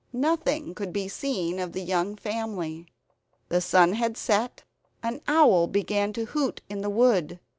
Nothing could be seen of the young family. The sun had set; an owl began to hoot in the wood.